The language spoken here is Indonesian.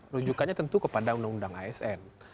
rujukannya tentu kepada undang undang asn